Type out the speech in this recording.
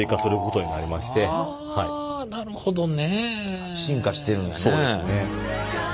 あなるほどね。進化してるんやね。